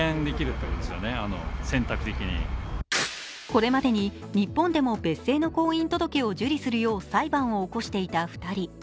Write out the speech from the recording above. これまでに日本でも別姓の婚姻届を受理するよう裁判を起こしていた２人。